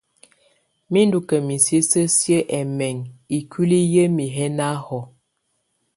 Mɛ̀ ndù ka misisǝ siǝ́ ɛmɛŋɛ ikuili yǝmi yɛ na hɔ̀á.